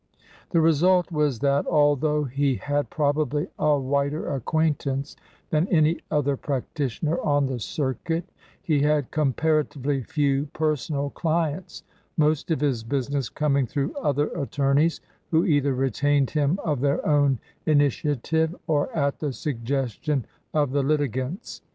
The result was that, although he had probably a wider acquaintance than any other practitioner on the circuit, he had comparatively few personal clients, most of his business coming through other attor neys, who either retained him of their own initia tive or at the suggestion of the litigants.